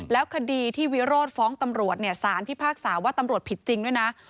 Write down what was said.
แล้วคดีที่วิโรธฟ้องตำรวจเนี่ยสารพิพากษาว่าตำรวจผิดจริงด้วยนะ